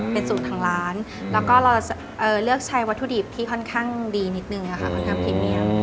เป็นสูตรทางร้านแล้วก็เราเลือกใช้วัตถุดิบที่ค่อนข้างดีนิดนึงค่ะค่อนข้างพรีเมียม